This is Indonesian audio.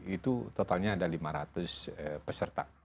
itu totalnya ada lima ratus peserta